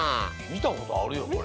みたことあるよね。